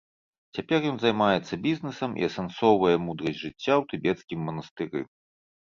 Цяпер ён займаецца бізнэсам і асэнсоўвае мудрасць жыцця ў тыбецкім манастыры.